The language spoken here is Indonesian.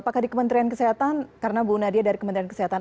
apakah di kementerian kesehatan karena bu nadia dari kementerian kesehatan